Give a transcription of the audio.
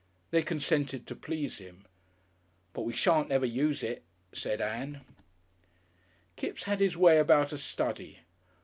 They consented to please him. "But we shan't never use it," said Ann. Kipps had his way about a study.